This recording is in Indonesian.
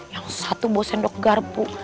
yang satu bawa sendok garpu